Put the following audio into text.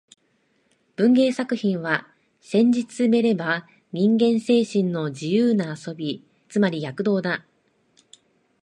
文芸作品は、せんじつめれば人間精神の自由な遊び、つまり躍動だ